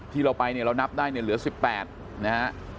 ที่เราไปเนี่ยเรานับได้เนี่ยเหลือ๑๘นะฮะ